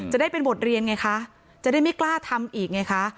จะได้เป็นบทเรียนไงคะจะได้ไม่กล้าทำอีกไงคะ